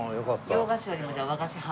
洋菓子よりも和菓子派？